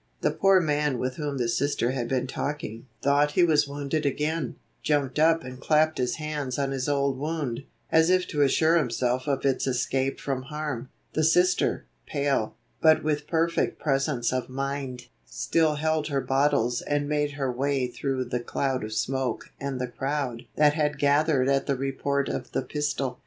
The poor man with whom the Sister had been talking thought he was wounded again, jumped up and clapped his hands on his old wound, as if to assure himself of its escape from harm. The Sister, pale, but with perfect presence of mind, still held her bottles and made her way through the cloud of smoke and the crowd that had gathered at the report of the pistol.